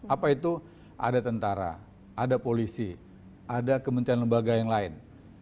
apa itu ada tentara ada polisi ada kementerian lembaga yang lain